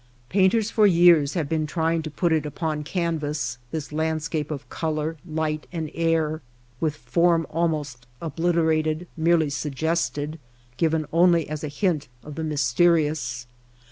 Painters for years have been trying to put it upon canvas — this landscape of color, light, and air, with form almost obliterated, merely suggested, given only as a hint of the mysterious.